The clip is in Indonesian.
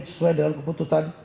sesuai dengan keputusan